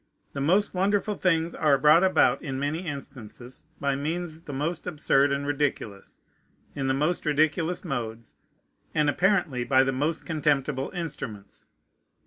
The most wonderful things are brought about in many instances by means the most absurd and ridiculous, in the most ridiculous modes, and apparently by the most contemptible instruments.